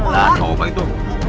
lah coba itu